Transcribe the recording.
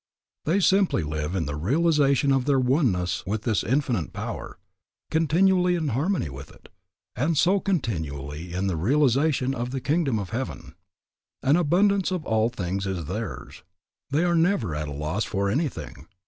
They simply live in the realization of their oneness with this Infinite Power, continually in harmony with it, and so continually in the realization of the kingdom of heaven. An abundance of all things is theirs. They are never at a loss for anything.